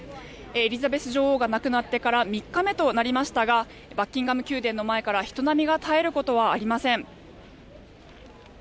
エリザベス女王が亡くなってから３日目となりましたがバッキンガム宮殿の前から人波が絶えることはありません。